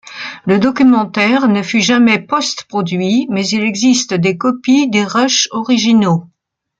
Le documentaire ne fut jamais post-produit mais il existe des copies des rushes originaux.